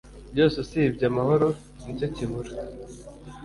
Byose usibye amahoro ni cyo kibura.